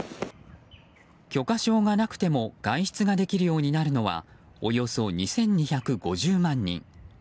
許可証がなくても外出ができるようになるのはおよそ２２５０万人。